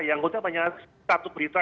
yang utip banyak satu berita